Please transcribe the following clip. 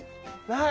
はい。